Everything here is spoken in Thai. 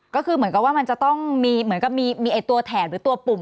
ก็คือเหมือนกับว่ามันจะต้องมีมีตัวแถนหรือตัวปุ่ม